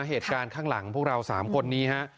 เหตุการณ์ข้างหลังพวกเรา๓คนนี้ฮะ